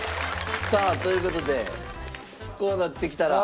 さあという事でこうなってきたら。